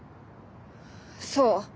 そう。